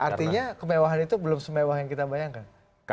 artinya kemewahan itu belum semewah yang kita bayangkan